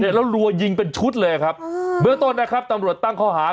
แล้วรัวยิงเป็นชุดเลยครับเบื้องต้นนะครับตำรวจตั้งข้อหา